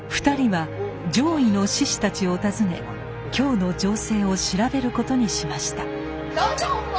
２人は攘夷の志士たちを訪ね京の情勢を調べることにしました。